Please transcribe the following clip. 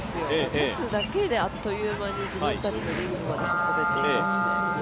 パスだけであっという間に自分たちのリングまで運べていますね。